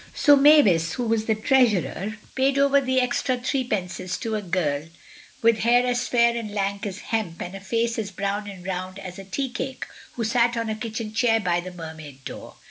So Mavis, who was treasurer, paid over the extra threepences to a girl with hair as fair and lank as hemp, and a face as brown and round as a tea cake, who sat on a kitchen chair by the Mermaid door.